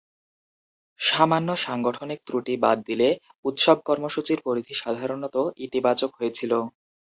সামান্য সাংগঠনিক ত্রুটি বাদ দিলে, উৎসব কর্মসূচীর পরিধি সাধারণত ইতিবাচক হয়েছিল।